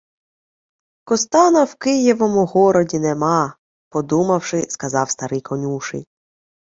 — Костана в Києвому городі нема, — подумавши, сказав старий конюший.